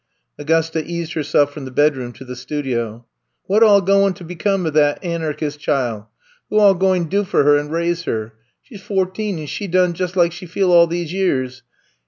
'Gusta eased herself from the bedroom to the studio. *' Wot all goin' to become o* that An'chis' chile? Who all gwine do for her and raise her f She 's f o 'teen, and she 's done jus ' lak she feel all dese years.